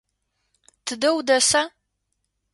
Тыдэ удэса?